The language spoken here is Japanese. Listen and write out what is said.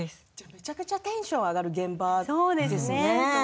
めちゃくちゃテンションが上がる現場ですね。